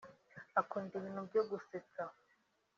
Akunda ibintu byo gusetsa